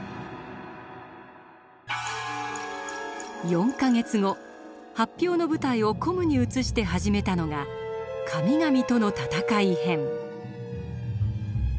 ４か月後発表の舞台を「ＣＯＭ」に移して始めたのが「神々との闘い編」。